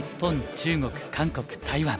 中国韓国台湾